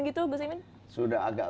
gitu gus imin sudah agak